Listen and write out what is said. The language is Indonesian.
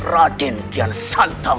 raden tidak santai